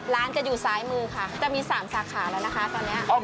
ร้านจะอยู่ซ้ายมือค่ะจะมี๓สาขาแล้วนะคะตอนนี้